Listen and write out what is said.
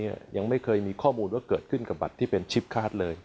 ยังไม่เคยมีข้อมูลว่าเกิดขึ้นกับบัตรที่เป็นชิปคาร์ดเลย